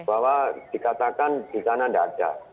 bahwa dikatakan di sana tidak ada